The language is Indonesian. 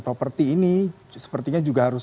properti ini sepertinya juga harus